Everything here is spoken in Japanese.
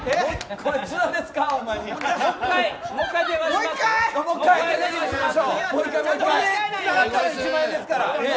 これでつながったら１万円ですから。